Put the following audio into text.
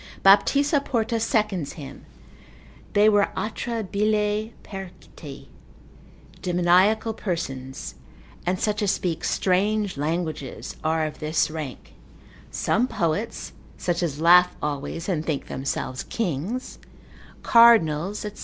Baptista Porta seconds him, Physiog. lib. 1, cap. 8, they were atra bile perciti: demoniacal persons, and such as speak strange languages, are of this rank: some poets, such as laugh always, and think themselves kings, cardinals, &c.